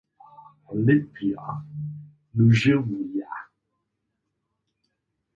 Olimpija Ljubljana